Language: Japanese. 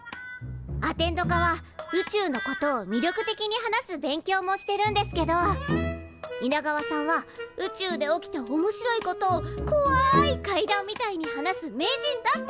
アテンド科は宇宙のことを魅力的に話す勉強もしてるんですけどイナガワさんは宇宙で起きたおもしろいことをこわい怪談みたいに話す名人だって聞きました。